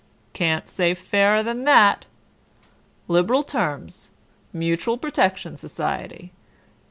Can't say fairer than that. Liberal terms. Mutual Protection Society.